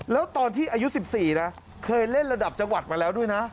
แล้วตอนที่อายุ๑๔นะเคยเล่นระดับจังหวัดมาแล้วด้วยนะ